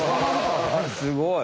すごい！